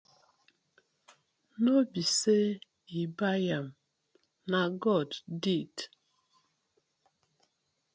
No bie say I bai am na god ded.